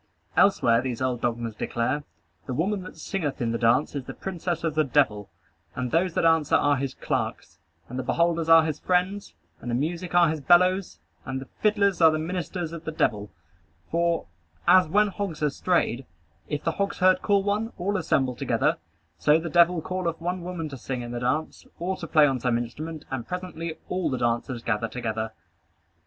Elsewhere, these old dogmas declare "The woman that singeth in the dance is the princess of the devil; and those that answer are his clerks; and the beholders are his friends, and the music are his bellows, and the fiddlers are the ministers of the devil; for, as when hogs are strayed, if the hogs' herd call one, all assemble together, so the devil calleth one woman to sing in the dance, or to play on some instrument, and presently all the dancers gather together."